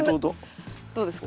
どうですか？